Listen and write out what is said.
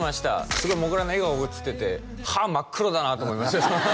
すごいもぐらの笑顔がうつってて歯真っ黒だなと思いました